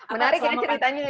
menarik ya ceritanya ya